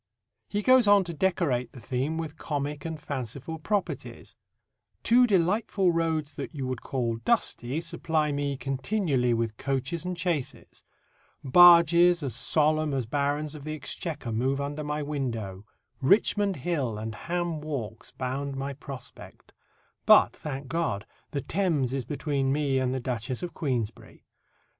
He goes on to decorate the theme with comic and fanciful properties: Two delightful roads that you would call dusty supply me continually with coaches and chaises; barges as solemn as barons of the exchequer move under my window; Richmond Hill and Ham walks bound my prospect; but, thank God, the Thames is between me and the Duchess of Queensberry.